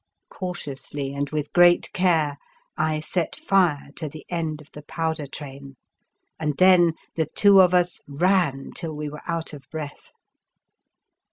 Cautiously and with great care I set fire to the end of the powder train, and then the two of us ran till we were out of breath.